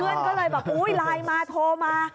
เพื่อนก็เลยแบบอุ๊ยไลน์มาโทรมา